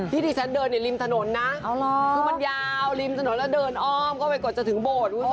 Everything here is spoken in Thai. ที่ที่ฉันเดินอยู่ริมถนนนะคือมันยาวริมถนนแล้วเดินอ้อมเข้าไปกว่าจะถึงโบสถคุณผู้ชม